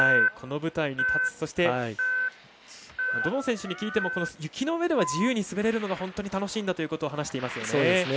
この舞台に立つそしてどの選手に聞いても雪の上では自由に滑れるのが本当に楽しいんだと話していますよね。